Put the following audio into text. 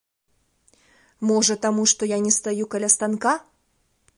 Можа, таму, што я не стаю каля станка?!